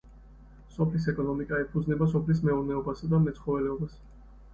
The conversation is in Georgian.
სოფლის ეკონომიკა ეფუძნება სოფლის მეურნეობასა და მეცხოველეობას.